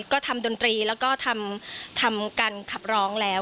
ก็ทำดนตรีแล้วก็ทำการขับร้องแล้ว